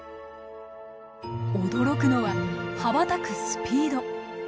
驚くのは羽ばたくスピード。